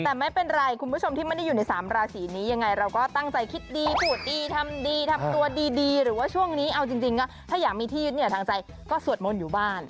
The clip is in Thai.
แต่ไม่เป็นไรคุณผู้ชมที่ไม่ได้อยู่ในสามราศีนี้ยังไงเราก็ตั้งใจคิดดีพูดดีทำดีทำตัวดีหรือว่าช่วงนี้เอาจริงก็ถ้าอยากมีที่ยึดเนี่ยทางใจก็สวดมนต์อยู่บ้าน